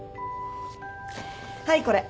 はいこれ。